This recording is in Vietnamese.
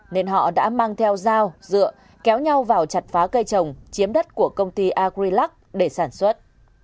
nên họ đã mang theo dao dựa kéo nhau vào chặt phá cây trồng chiếm đất của công ty agrilac để sản xuất